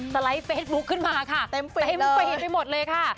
สไลด์เฟซบุ๊คขึ้นมาค่ะเป็นเต็มเฟซเลยหมดเลยค่ะเต็มปิดเลยค่ะ